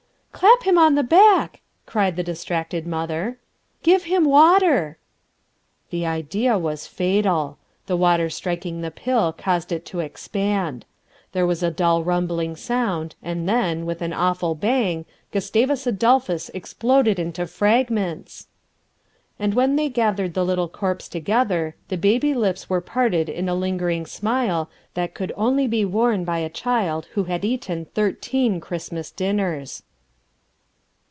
"Clap him on the back!" cried the distracted mother. "Give him water!" The idea was fatal. The water striking the pill caused it to expand. There was a dull rumbling sound and then, with an awful bang, Gustavus Adolphus exploded into fragments! And when they gathered the little corpse together, the baby lips were parted in a lingering smile that could only be worn by a child who had eaten thirteen Christmas dinners.